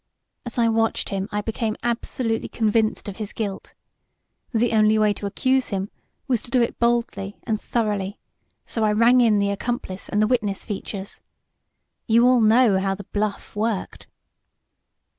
As I watched him I became absolutely convinced of his guilt. The only way to accuse him was to do it boldly and thoroughly, so I rang in the accomplice and the witness features. You all know how the 'bluff' worked."